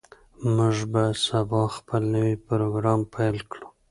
موږ به سبا خپل نوی پروګرام پیل کړو.